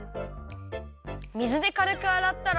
みずでかるくあらったら。